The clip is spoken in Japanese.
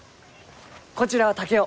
こちらは竹雄。